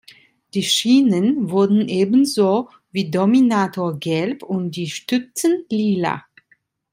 Die Schienen wurden ebenso wie Dominator gelb und die Stützen lila.